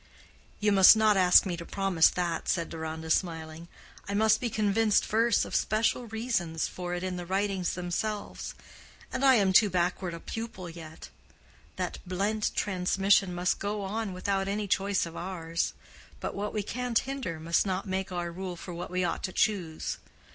"You must not ask me to promise that," said Deronda, smiling. "I must be convinced first of special reasons for it in the writings themselves. And I am too backward a pupil yet. That blent transmission must go on without any choice of ours; but what we can't hinder must not make our rule for what we ought to choose.